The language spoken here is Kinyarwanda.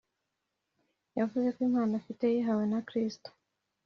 yavuze ko impano afite yayihawe na kristo